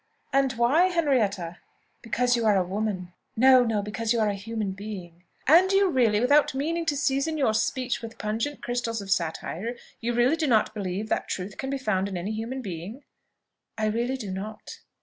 "And why, Henrietta?" "Because you are a woman; no, no, because you are a human being." "And you really, without meaning to season your speech with pungent crystals of satire you really do not believe that truth can be found in any human being?" "I really do not."